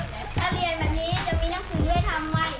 ถ้าเรียนแบบนี้จะมีหนังสือช่วยทำไว้